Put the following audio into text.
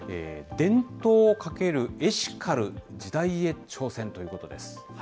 伝統×エシカル時代への挑戦ということです。